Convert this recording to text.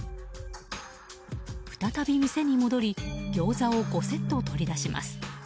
再び店に戻り、ギョーザを５セット取り出します。